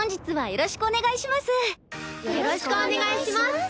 よろしくお願いします。